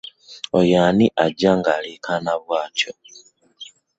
Oyo ani ajja ng'aleekaana bwatyo.